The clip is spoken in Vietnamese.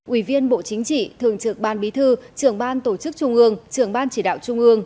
ủy viên bộ chính trị thường trực ban bí thư trưởng ban tổ chức trung ương trưởng ban chỉ đạo trung ương